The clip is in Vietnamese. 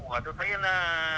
rồi tôi thấy nó